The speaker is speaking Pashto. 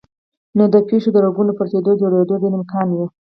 نو د پښو د رګونو پړسېدو جوړېدو ډېر امکان وي